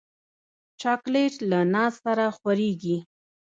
چاکلېټ له ناز سره خورېږي.